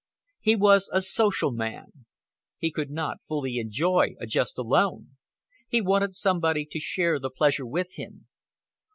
He was a social man. He could not fully enjoy even a jest alone. He wanted somebody to share the pleasure with him.